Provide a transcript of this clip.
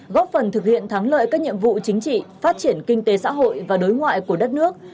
góp phần thực hiện thắng lợi các nhiệm vụ chính trị phát triển kinh tế xã hội và đối ngoại của đất nước